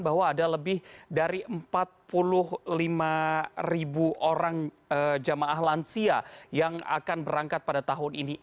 bahwa ada lebih dari empat puluh lima ribu orang jamah lansia yang akan berangkat pada tahun ini